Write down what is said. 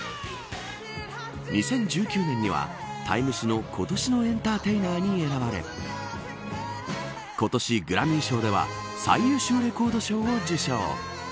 ２０１９年にはタイム誌の今年のエンターテイナーに選ばれ今年、グラミー賞では最優秀レコード賞を受賞。